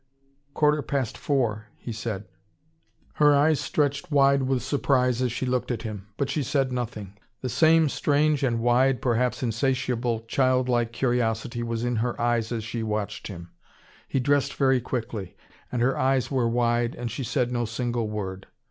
"Quarter past four," he said. Her eyes stretched wide with surprise as she looked at him. But she said nothing. The same strange and wide, perhaps insatiable child like curiosity was in her eyes as she watched him. He dressed very quickly. And her eyes were wide, and she said no single word.